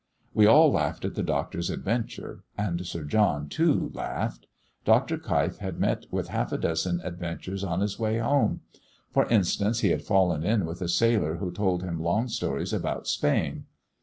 We all laughed at the Doctor's adventure, and Sir John, too, laughed. Dr. Keif had met with half a dozen adventures on his way home. For instance, he had fallen in with a sailor who told him long stories about Spain.